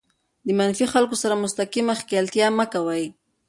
د منفي خلکو سره مستقیم ښکېلتیا مه کوئ.